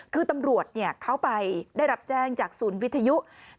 คือตำรวจเขาไปได้รับแจ้งจากศูนย์วิทยุ